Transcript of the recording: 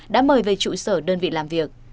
đã mời về trụ sở đơn vị làm việc